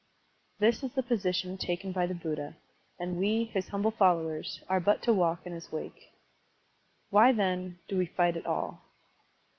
This is the position taken by the Buddha, and we, his humble followers, are but to walk in his wake. Why, then, do we fight at all?